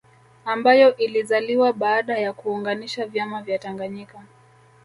Ambayo ilizaliwa baada ya kuunganisha vyama vya Tanganyika